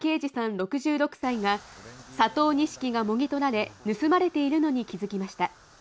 ６６歳が、佐藤錦がもぎ取られ、盗まれているのに気付きました。